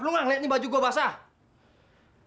lu gak liat nih baju gue basah